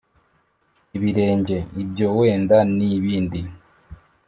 ibirenge, ibyo wenda nibindi,